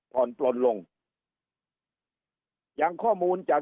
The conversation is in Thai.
ผ่อนปล่นลงอย่างข้อมูลจาก